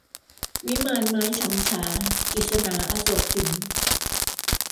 วิมานไม้ฉำฉา - กฤษณา อโศกสิน